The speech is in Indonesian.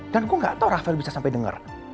dan gue enggak tahu rafael bisa sampai dengar